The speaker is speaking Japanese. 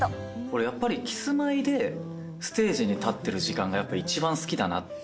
俺やっぱりキスマイでステージに立っている時間が、やっぱり一番好きだなって。